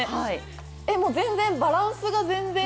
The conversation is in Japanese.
全然、バランスが全然。